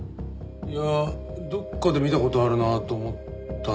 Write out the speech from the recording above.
いやどこかで見た事あるなと思ったんだけど。